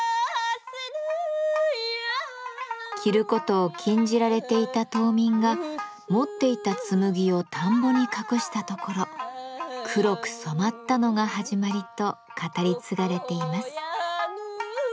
着ることを禁じられていた島民が持っていた紬を田んぼに隠したところ黒く染まったのが始まりと語り継がれています。